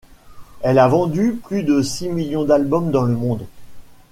Elle a vendu plus de six millions d'albums dans le monde.